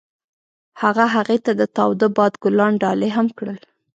هغه هغې ته د تاوده باد ګلان ډالۍ هم کړل.